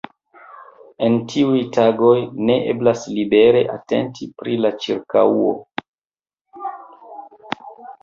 En tiuj tagoj, ne eblas libere atenti pri la ĉirkaŭo.